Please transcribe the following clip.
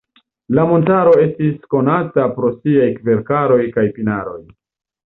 La montaro estis konata pro siaj kverkaroj kaj pinaroj.